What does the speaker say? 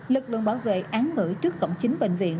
lực luôn bảo vệ án mử trước cổng chính bệnh viện